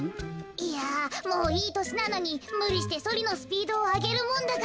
いやもういいとしなのにむりしてソリのスピードをあげるもんだから。